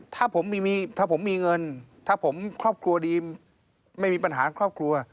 ถ้าผมถ้าผมมีเงินถ้าผมครอบครัวดีไม่มีปัญหาครอบครัว